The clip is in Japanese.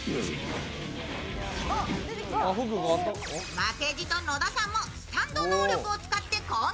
負けじと野田さんもスタンド能力を使って攻撃。